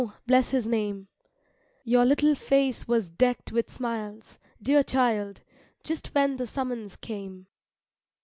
bless his name Your little face was decked with smiles, Dear child, just when the summons came.